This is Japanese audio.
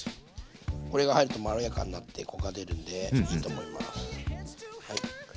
これが入るとまろやかになってコクが出るんでいいと思います。